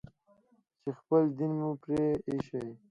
چې خپل دين مو پرې ايښى.